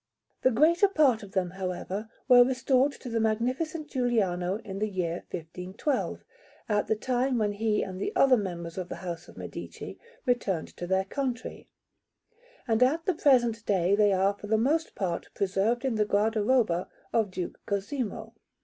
The greater part of them, however, were restored to the Magnificent Giuliano in the year 1512, at the time when he and the other members of the House of Medici returned to their country; and at the present day they are for the most part preserved in the guardaroba of Duke Cosimo.